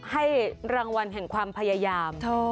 ให้รางวัลแห่งความพยายาม